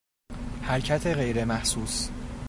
حرکت غیرمحسوس